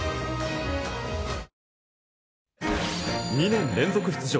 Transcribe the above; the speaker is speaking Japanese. ２年連続出場